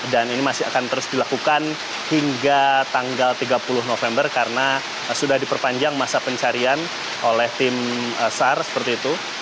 dan ini masih akan terus dilakukan hingga tanggal tiga puluh november karena sudah diperpanjang masa pencarian oleh tim sar seperti itu